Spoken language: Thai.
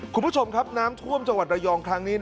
คุณผู้ชมครับน้ำท่วมจังหวัดระยองครั้งนี้